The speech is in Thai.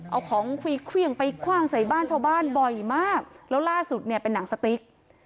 เอาของคุยเครื่องไปคว่างใส่บ้านชาวบ้านบ่อยมากแล้วล่าสุดเนี่ยเป็นหนังสติ๊ก